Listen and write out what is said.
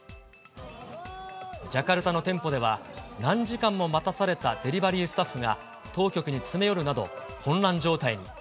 ジャカルタの店舗では、何時間も待たされたデリバリースタッフが当局に詰め寄るなど、混乱状態に。